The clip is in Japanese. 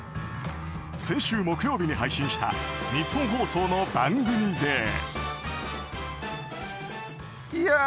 先週木曜日に配信したニッポン放送の番組で。